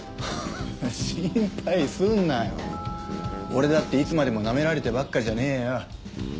俺だっていつまでもなめられてばっかじゃねえよ。